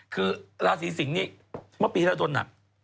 คือราศรีสิงห์นี่เมื่อปีแล้วต้นอ่ะ